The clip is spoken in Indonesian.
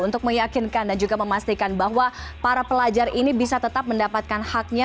untuk meyakinkan dan juga memastikan bahwa para pelajar ini bisa tetap mendapatkan haknya